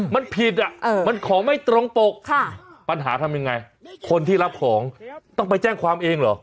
มันผิดอ่ะมันของไม่ตรงปกปัญหาทำยังไงคนที่รับของต้องไปแจ้งความเองเหรอ